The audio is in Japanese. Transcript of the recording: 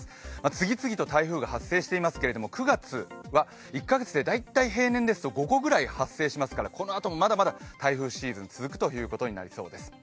次々と台風が発生していますけど、９月は１か月で大体平年で５個ぐらい発生しますからこのあともまだまだ台風シーズン続くということになりそうです。